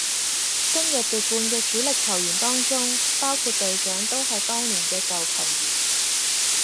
今日奪冠嘅主力球員當中，包括隊長都係當年嘅舊球員